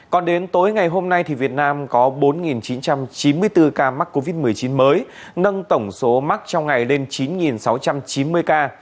còn đến tối ngày hôm nay việt nam có bốn chín trăm chín mươi bốn ca mắc covid một mươi chín mới nâng tổng số mắc trong ngày lên chín sáu trăm chín mươi ca